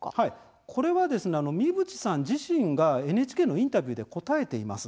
これは、三淵さん自身がＮＨＫのインタビューで答えています。